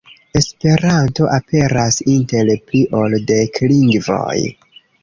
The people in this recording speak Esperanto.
Esperanto aperas inter pli ol dek lingvoj.